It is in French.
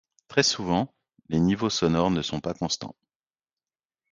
Très souvent, les niveaux sonores ne sont pas constants.